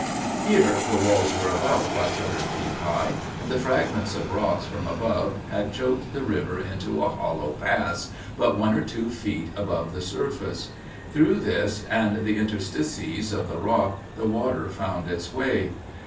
Here the walls were about five hundred feet high, and the fragments of rocks from above had choked the river into a hollow pass, but one or two feet above the surface. Through this, and the interstices of the rock, the water found its way.